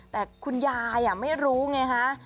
แต่คุณยายไม่รู้ไงฮะ